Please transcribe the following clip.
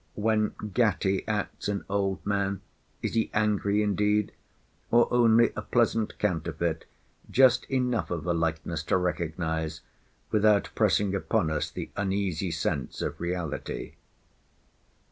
When Gatty acts an old man, is he angry indeed? or only a pleasant counterfeit, just enough of a likeness to recognise, without pressing upon us the uneasy sense of reality?